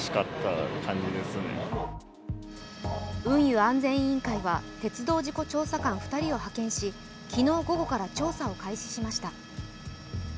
運輸安全委員会は鉄道事故調査官２人を派遣し、昨日午後から調査を開始しました。